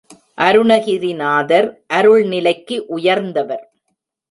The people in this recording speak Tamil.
அருணகிரி நாதர் அருள் நிலைக்கு உயர்ந்தவர்.